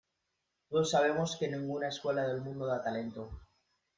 Todos sabemos que ninguna escuela del mundo da talento.